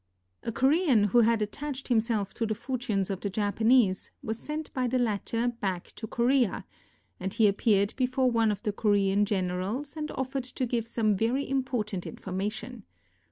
A Korean who had attached himself to the fortunes of the Japanese was sent by the latter back to Korea, and he appeared before one of the Korean generals and of fered to give some very important information.